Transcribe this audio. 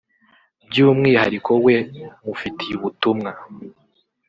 by’umwihariko we mufitiye ubutumwa